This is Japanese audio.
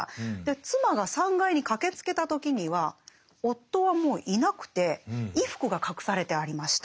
妻が３階に駆けつけた時には夫はもういなくて衣服が隠されてありました。